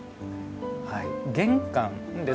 玄関です。